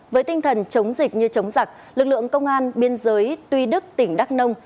với tinh thần chống dịch như chống giặc lực lượng công an biên giới tuy đức tỉnh đắk nông